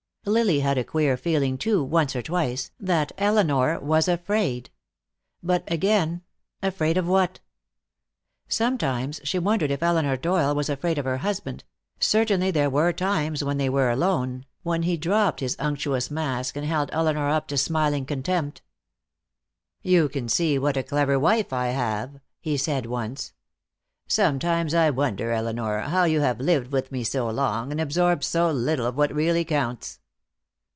Lily had a queer feeling too, once or twice, that Elinor was afraid. But again, afraid of what? Sometimes she wondered if Elinor Doyle was afraid of her husband; certainly there were times, when they were alone, when he dropped his unctuous mask and held Elinor up to smiling contempt. "You can see what a clever wife I have," he said once. "Sometimes I wonder, Elinor, how you have lived with me so long and absorbed so little of what really counts."